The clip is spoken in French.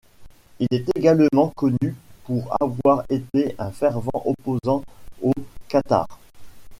Il est également connu pour avoir été un fervent opposant aux Cathares.